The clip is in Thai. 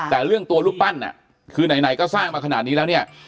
แต่เรื่องตัวรูปปั้นคือไหนก็สร้างมาขนาดนี้แล้วเนี่ย